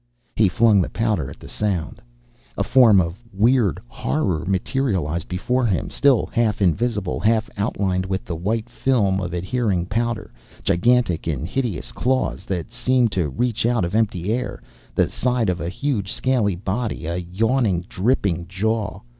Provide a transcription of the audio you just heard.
_ He flung the powder at the sound. A form of weird horror materialized before him, still half invisible, half outlined with the white film of adhering powder: gigantic and hideous claws, that seemed to reach out of empty air, the side of a huge, scaly body, a yawning, dripping jaw.